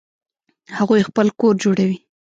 هغوی خپل کور جوړوي